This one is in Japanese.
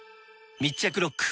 密着ロック！